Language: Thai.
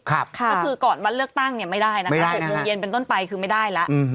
ก็คือก่อนวันเลือกตั้งไม่ได้นะคะ๖โมงเย็นเป็นต้นไปคือไม่ได้แล้ว